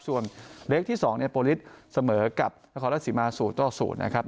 ส่วนเลขที่๒เนี่ยโบริษฐ์เสมอกับนครรัฐศรีมาชสูตรต่อ๐นะครับ